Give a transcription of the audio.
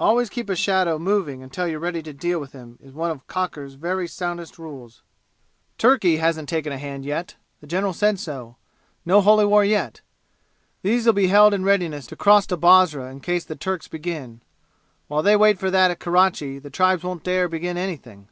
Always keep a "shadow" moving until you're ready to deal with him is one of Cocker's very soundest rules. "Turkey hasn't taken a hand yet the general said so. No holy war yet. These'll be held in readiness to cross to Basra in case the Turks begin. While they wait for that at Kerachi the tribes won't dare begin anything.